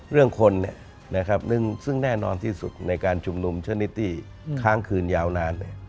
เรื่องคนซึ่งแน่นอนที่สุดในการชุมนุมชนิดที่ค้างคืนยาวนาน